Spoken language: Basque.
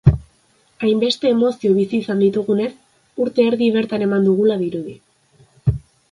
Hainbeste emozio bizi izan ditugunez, urte erdi bertan eman dugula dirudi.